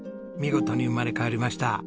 見事に生まれ変わりました。